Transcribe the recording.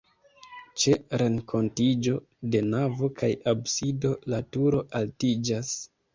Ĉe renkontiĝo de navo kaj absido la turo altiĝas.